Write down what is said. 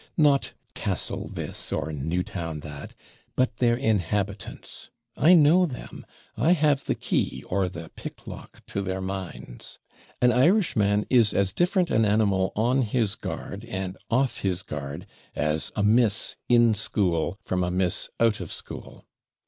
Not Castle this, or Newtown that, but their inhabitants. I know them; I have the key, or the picklock to their minds. An Irishman is as different an animal on his guard, and off his guard, as a miss in school from a miss out of school.